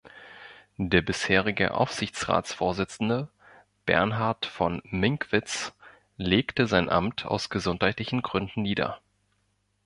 Der bisherige Aufsichtsratsvorsitzende Bernhard von Minckwitz legte sein Amt aus gesundheitlichen Gründen nieder.